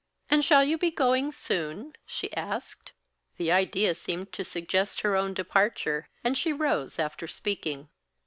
"And shall you be going soon?" she asked. The idea seemed to suggest her own departure, and she rose after speaking.